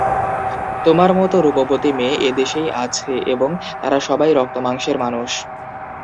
তোমার মতো রূপবর্তী মেয়ে এ দেশেই আছে এবং তারা সবাই রক্ত-মাংসের মানুষ।